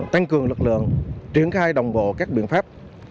tăng cường lực lượng triển khai đồng bộ các biện pháp